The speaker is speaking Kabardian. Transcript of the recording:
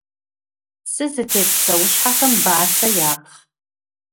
Цы зытет псэущхьэхэм бацэ япхъ.